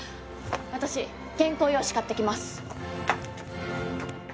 私原稿用紙買ってきます！